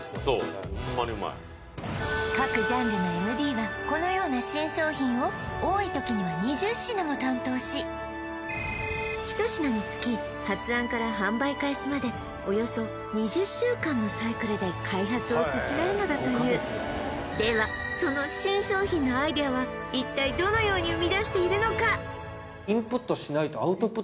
うまい各ジャンルのＭＤはこのような新商品を多い時には２０品も担当し一品につき発案から販売開始までおよそ２０週間のサイクルで開発を進めるのだというではその新商品のアイデアは一体どのように生み出しているのか？